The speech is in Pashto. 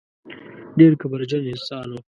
ډېر کبرجن انسان و.